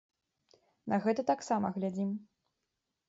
На гэта таксама глядзім.